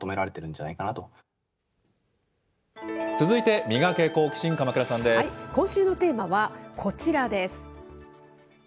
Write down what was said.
続いてミガケ、今週のテーマはこちらです。